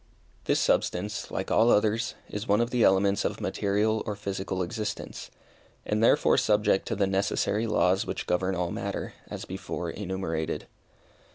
This substance, like all others, is one of the elements of material or physical existence, and therefore subject to the necessary laws which govern all matter, as before enumerated.